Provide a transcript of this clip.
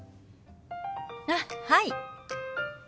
あっはい。